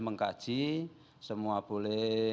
mengkaji semua boleh